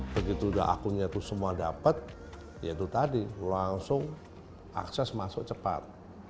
begitu udah akunnya itu semua dapat ya itu tadi langsung akses masuk cepat